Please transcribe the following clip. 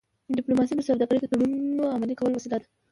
ډيپلوماسي د سوداګری د تړونونو عملي کولو وسیله ده.